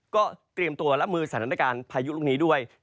ก็เตรียมตัวและมือสังเกตว่าลักษณะการพายุลูกนี้ด้วย